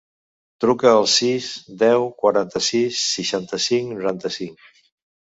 Truca al sis, deu, quaranta-sis, seixanta-cinc, noranta-cinc.